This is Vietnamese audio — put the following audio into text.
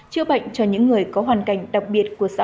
chữa bệnh cho những người có hoàn cảnh đặc biệt của xã hội